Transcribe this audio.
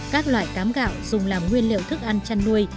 các loại cám gạo dùng làm nguyên liệu thức ăn chăn nuôi